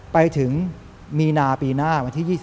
ไปถึงมีนาปีหน้าวันที่๒๔